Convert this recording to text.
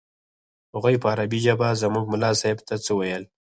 هغوى په عربي ژبه زموږ ملا صاحب ته څه وويل.